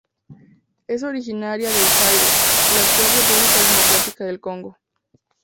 Es originaria del Zaire, la actual República Democrática del Congo.